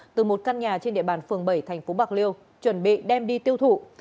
từ một căn nhà trên địa bàn phường bảy thành phố bạc liêu chuẩn bị đem đi tiêu thụ